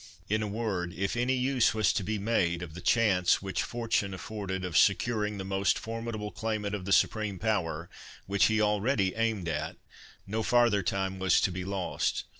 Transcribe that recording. In a word, if any use was to be made of the chance which fortune afforded of securing the most formidable claimant of the supreme power, which he already aimed at, no farther time was to be lost.